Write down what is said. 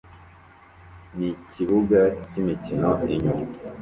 nikibuga cyimikino inyuma